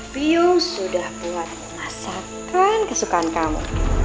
bium sudah membuat masakan kesukaan kamu